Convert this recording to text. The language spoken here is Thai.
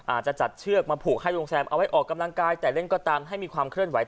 อาจจะจัดเชือกมาผูกให้โรงแรมเอาไว้ออกกำลังกายแต่เล่นก็ตามให้มีความเคลื่อนไห